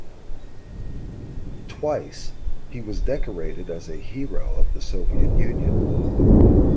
Twice he was decorated as a Hero of the Soviet Union.